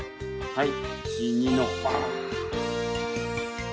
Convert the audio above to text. はい。